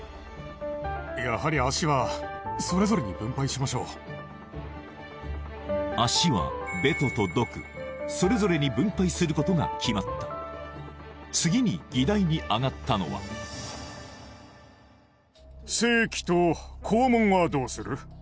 やはり脚はそれぞれに分配しましょう脚はベトとドクそれぞれに分配することが決まった次に議題にあがったのは性器と肛門はどうする？